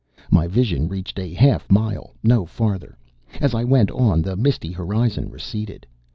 My vision reached a half mile, no farther. As I went on, the misty horizon receded.